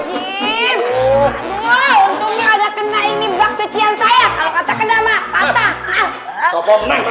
kita manusia memang punya perasaan sebagai laki laki